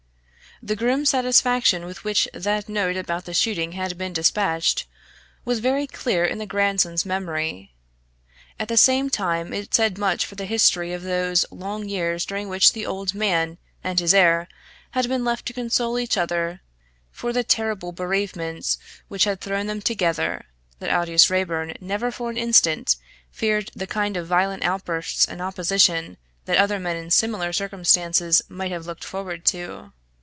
The grim satisfaction with which that note about the shooting had been despatched, was very clear in the grandson's memory. At the same time it said much for the history of those long years during which the old man and his heir had been left to console each other for the terrible bereavements which had thrown them together, that Aldous Raeburn never for an instant feared the kind of violent outburst and opposition that other men in similar circumstances might have looked forward to.